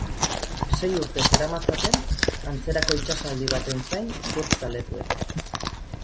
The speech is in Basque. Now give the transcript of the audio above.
Sei urte zeramatzaten antzerako itsasaldi baten zain surf zaletuek.